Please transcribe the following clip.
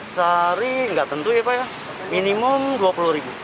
sehari nggak tentu ya pak ya minimum rp dua puluh